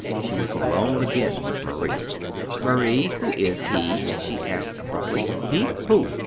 She was alone again with Marie. "Marie, who is he?" she asked abruptly. "He? Who?"